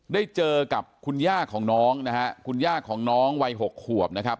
ได้เจอกับคุณย่าของน้องนะฮะคุณย่าของน้องวัย๖ขวบนะครับ